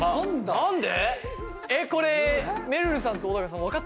何で！？